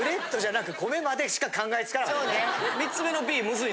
そうね。